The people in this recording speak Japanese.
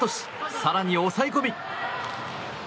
更に抑え込み。